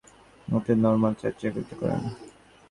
তিনি তার সমর্থক, বিশপ ও অ্যাবটদের নরমান চার্চে একত্রিত করেন।